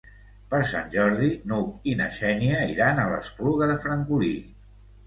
Per Sant Jordi n'Hug i na Xènia iran a l'Espluga de Francolí.